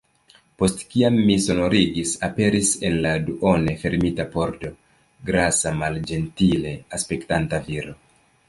Post kiam mi sonorigis, aperis en la duone fermita pordo grasa malĝentile aspektanta viro.